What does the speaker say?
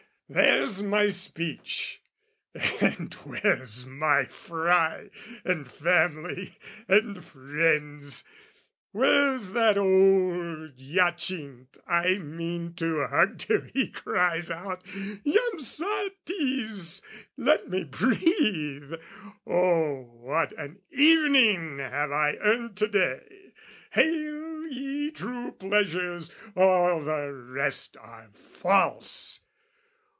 There's my speech And where's my fry, and family and friends? Where's that old Hyacinth I mean to hug Till he cries out, "Jam satis! Let me breathe!" Oh, what an evening have I earned to day! Hail, ye true pleasures, all the rest are false!